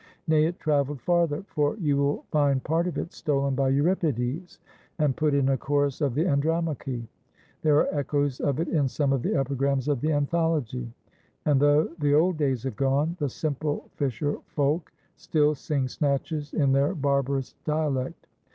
Nay, it traveled farther, for you will find part of it stolen by Euripides and put in a chorus of the "Andromache." There are echoes of it in some of the epigrams of the "Anthology"; and though the old days have gone, the simple fisher folk still sing snatches in their barbarous dialect.